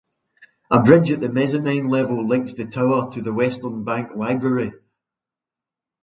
A bridge at the mezzanine level links the tower to the Western Bank Library.